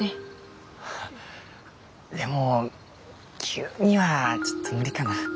あでも急にはちょっと無理かな。